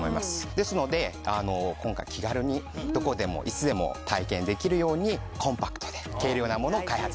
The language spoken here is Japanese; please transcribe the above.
ですので今回気軽にどこでもいつでも体験できるようにコンパクトで軽量なものを開発いたしました。